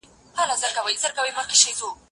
زه مخکي د زده کړو تمرين کړی وو،